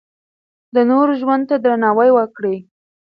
د نورو ژوند ته درناوی وکړئ.